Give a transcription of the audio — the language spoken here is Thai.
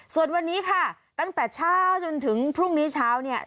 ส่วนวันนี้ค่ะตั้งแต่เช้าจนถึงพรุ่งนี้เช้าเนี่ย